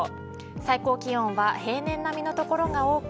最高気温は平年並みの所が多く